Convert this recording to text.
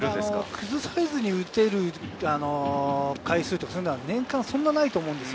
崩されずに打つ回数っていうのは年間そんなにないと思うんですよ。